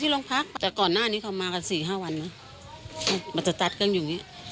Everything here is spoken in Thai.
ที่เราเห็นก็สี่ห้าวันแล้ว